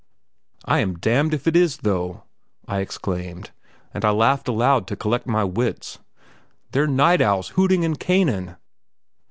"I am damned if it is, though," I exclaimed; and I laughed aloud to collect my wits. "They're night owls hooting in Canaan!"